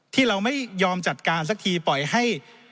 ที่เราไม่ยอมจัดการสักทีปล่อยให้